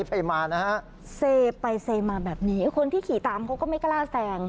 ไปมานะฮะเซไปเซมาแบบนี้คนที่ขี่ตามเขาก็ไม่กล้าแซง